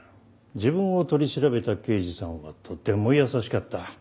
自分を取り調べた刑事さんはとても優しかった。